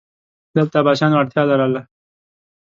دلته عباسیانو اړتیا لرله